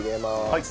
はい。